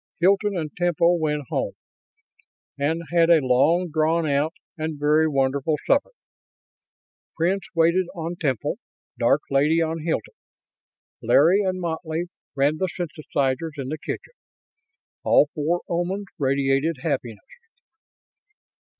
Hilton and Temple went home, and had a long drawn out and very wonderful supper. Prince waited on Temple, Dark Lady on Hilton; Larry and Moty ran the synthesizers in the kitchen. All four Omans radiated happiness.